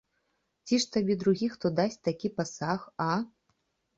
Ці ж табе другі хто дасць такі пасаг, а?